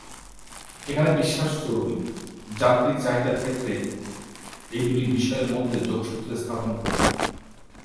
এখানে বিশ্বাস জরুরী, যান্ত্রিক চাহিদার ক্ষেত্রে এই দুটি বিষয়ের মধ্যে যোগসূত্র স্থাপন করতে।